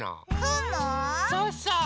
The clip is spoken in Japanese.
そうそう。